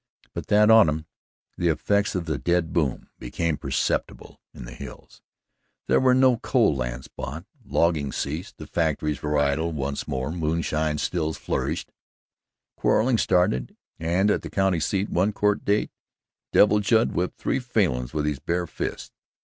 But that autumn, the effects of the dead boom became perceptible in the hills. There were no more coal lands bought, logging ceased, the factions were idle once more, moonshine stills flourished, quarrelling started, and at the county seat, one Court day, Devil Judd whipped three Falins with his bare fists.